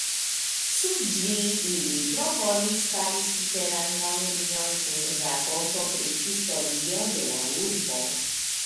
Sub ĝi ili proponis fari subteran galerion kun rakonto pri historio de la urbo.